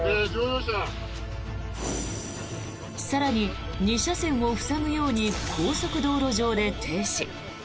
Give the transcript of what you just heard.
更に、２車線を塞ぐように高速道路上で停止。